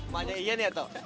makanya iyan ya tuh